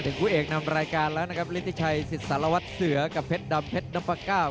ชนะ๓๗ไฟเสมอ๒ไฟและแพ้๑๖ไฟ